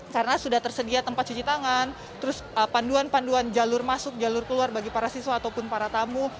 karena sudah tersedia tempat cuci tangan panduan panduan jalur masuk jalur keluar bagi para siswa ataupun para tamu